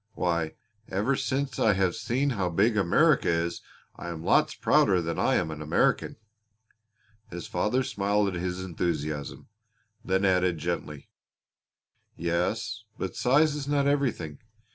Why, ever since I have seen how big America is I am lots prouder that I am an American." His father smiled at his enthusiasm, then added gently: "Yes, but size is not everything.